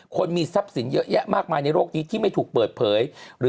คนมีทรัพย์สินเยอะแยะมากมายในโลกนี้ที่ไม่ถูกเปิดเผยหรือ